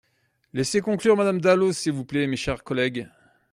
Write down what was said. Laissez conclure Madame Dalloz, s’il vous plaît, mes chers collègues.